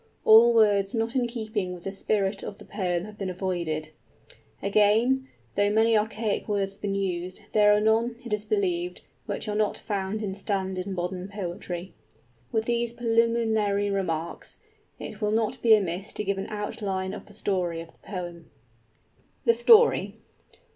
All words not in keeping with the spirit of the poem have been avoided. Again, though many archaic words have been used, there are none, it is believed, which are not found in standard modern poetry. [ix] With these preliminary remarks, it will not be amiss to give an outline of the story of the poem. _THE STORY.